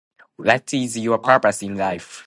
what is your purpose in life